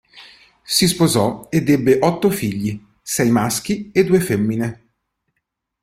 Si sposò ed ebbe otto figli, sei maschi e due femmine.